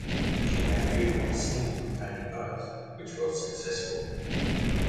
She debuted with a single containing both, which was successful.